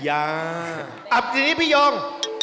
อับทีนี้พี่ยอง